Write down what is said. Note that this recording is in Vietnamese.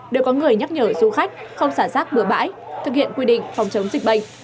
đều có người nhắc nhở du khách không xả rác bừa bãi thực hiện quy định phòng chống dịch bệnh